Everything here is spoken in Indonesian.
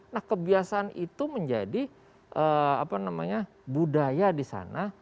nah kebiasaan itu menjadi budaya di sana